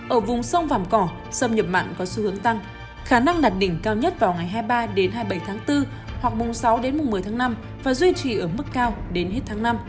ở vùng sông vàm cỏ xâm nhập mặn có xu hướng tăng khả năng đạt đỉnh cao nhất vào ngày hai mươi ba hai mươi bảy tháng bốn hoặc mùng sáu đến mùng một mươi tháng năm và duy trì ở mức cao đến hết tháng năm